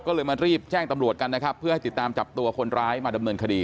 ก็เลยมารีบแจ้งตำรวจกันนะครับเพื่อให้ติดตามจับตัวคนร้ายมาดำเนินคดี